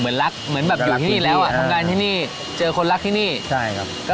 รักเหมือนแบบอยู่ที่นี่แล้วอ่ะทำงานที่นี่เจอคนรักที่นี่ใช่ครับ